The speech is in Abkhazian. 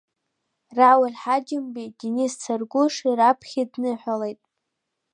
Рауль Ҳаџьымбеи Денис Царгәыши раԥхьа еидныҳәалеит.